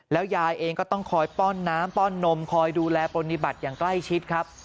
ยายเองก็ต้องคอยป้อนน้ำป้อนนมคอยดูแลปฏิบัติอย่างใกล้ชิดครับ